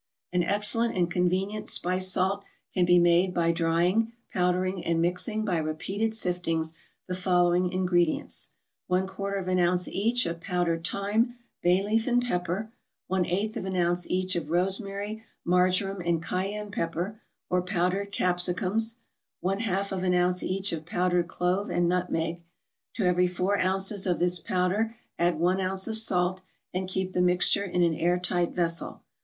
An excellent and convenient spice salt can be made by drying, powdering, and mixing by repeated siftings the following ingredients: one quarter of an ounce each of powdered thyme, bay leaf, and pepper; one eighth of an ounce each of rosemary, marjoram, and cayenne pepper, or powdered capsicums; one half of an ounce each of powdered clove and nutmeg; to every four ounces of this powder add one ounce of salt, and keep the mixture in an air tight vessel.